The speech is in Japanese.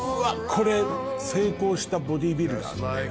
これ成功したボディビルダーの例よ。